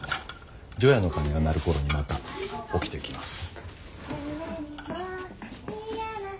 除夜の鐘が鳴る頃にまた起きてきます。